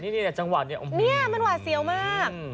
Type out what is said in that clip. นี่จังหวัดนี้อุ้มนี่มันหวัดเสียวมาก